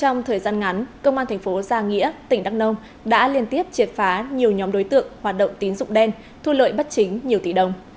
trong thời gian ngắn công an thành phố gia nghĩa tỉnh đắk nông đã liên tiếp triệt phá nhiều nhóm đối tượng hoạt động tín dụng đen thu lợi bất chính nhiều tỷ đồng